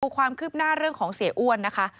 ความคืบหน้าเรื่องของเสียอ้วนนะคะ